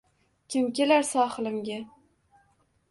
Kim kelar sohilimga.